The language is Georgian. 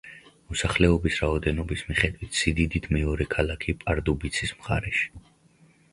მოსახლეობის რაოდენობის მიხედვით სიდიდით მეორე ქალაქი პარდუბიცის მხარეში.